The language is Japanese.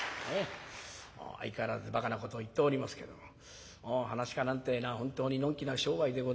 相変わらずバカなことを言っておりますけどももう噺家なんてえのは本当にのんきな商売でございます。